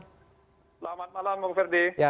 selamat malam bung ferdi